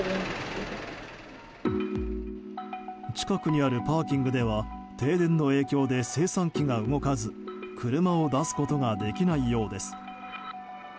近くにあるパーキングでは停電の影響で精算機が動かず、車を出すことができないようです。